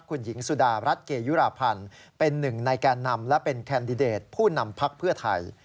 คุณหญิงสุดารัฐเกยุราพันธ์เป็นหนึ่งในแกนนำและเป็นแคนดิเดตผู้นำพักเพื่อไทย